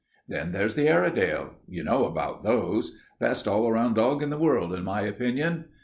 Then there's the Airedale. You know about those. Best all round dog in the world in my opinion.